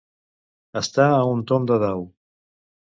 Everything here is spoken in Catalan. Estar a un tomb de dau.